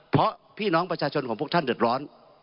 เพราะพี่น้องประชาชนของพวกท่านเดือดร้อน